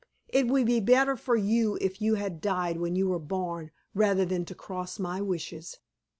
It would be better for you if you had died when you were born rather than to cross my wishes.